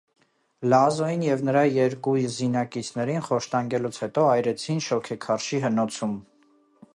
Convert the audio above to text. Լազոին և նրա երկու զինակիցներին, խոշտանգելուց հետո, այրեցին շոգեքարշի հնոցում։